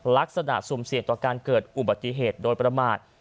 ลักษณะสูมเศียงต่อการเกิดอุบัติเหตุโดยประมาท